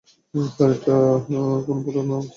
Sir, এটা কোনো পুরানো অস্ত্রাগার।